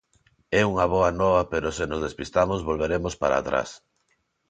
É unha boa nova pero se nos despistamos volveremos para atrás.